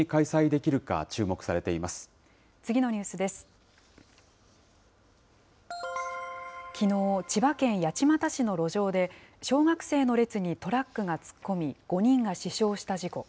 きのう、千葉県八街市の路上で、小学生の列にトラックが突っ込み、５人が死傷した事故。